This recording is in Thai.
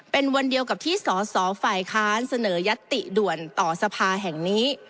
เป็นวันเดียวกับที่สอสอฝ่ายค้านเสนอยัตติด่วนต่อสภาแห่งนี้